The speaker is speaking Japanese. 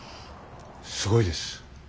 すごいです。